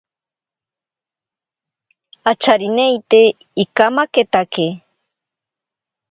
Acharineite ikamaketake.